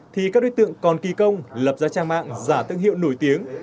thì các đối tượng còn kỳ công lập ra trang mạng giả thương hiệu nổi tiếng